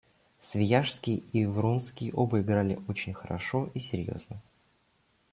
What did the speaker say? Свияжский и Вронский оба играли очень хорошо и серьезно.